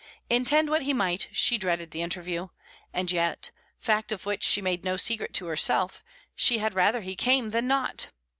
Intend what he might, she dreaded the interview. And yet fact of which she made no secret to herself she had rather he came than not.